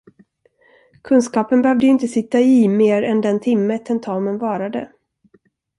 Kunskapen behövde ju inte sitta i mer än den timme tentamen varade.